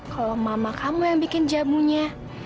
kalau mama kamu yang bikin jamunya